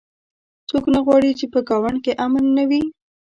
څوک نه غواړي چې په ګاونډ کې امن نه وي